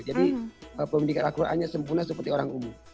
jadi pendidikan akruannya sempurna seperti orang umum